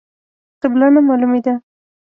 قبله نه مالومېدله.